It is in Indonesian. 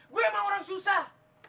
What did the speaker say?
gue emang orang susah